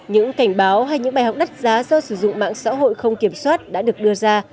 những cảnh báo hay những bài học đắt giá do sử dụng mạng xã hội không kiểm soát đã được đưa ra